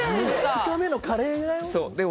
２日目のカレーだよ？